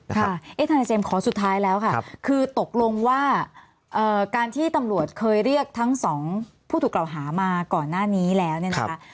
ทนายเจมส์ขอสุดท้ายแล้วค่ะคือตกลงว่าการที่ตำรวจเคยเรียกทั้งสองผู้ถูกกล่าวหามาก่อนหน้านี้แล้วเนี่ยนะคะ